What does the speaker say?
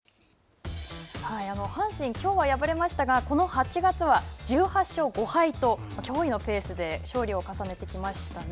阪神、きょうは敗れましたが、この８月は１８勝５敗と驚異のペースで勝利を重ねてきましたね。